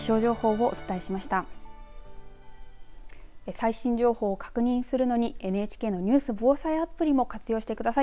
最新情報を確認するのにＮＨＫのニュース・防災アプリも活用してください。